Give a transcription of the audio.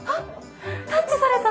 タッチされた！